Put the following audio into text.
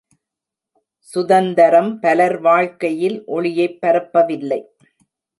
சுதந்தரம் பலர் வாழ்க்கையில் ஒளியைப் பரப்பவில்லை.